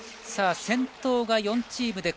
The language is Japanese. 先頭が４チーム。